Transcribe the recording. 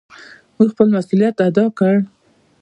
مونږ خپل مسؤليت ادا کړ.